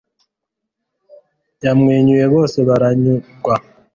yamwenyuye bose baranyurwa